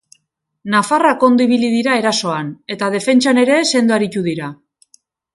Nafarrak ondo ibili dira erasoan, eta defentsan ere sendo aritu dira.